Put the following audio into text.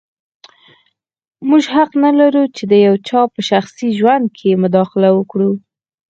موږ حق نه لرو چې د یو چا په شخصي ژوند کې مداخله وکړو.